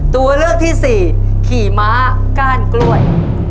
ตัวเลือกที่สี่ขี่ม้าก้านกล้วย